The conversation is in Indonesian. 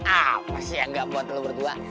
ah pasti yang gak buat lo berdua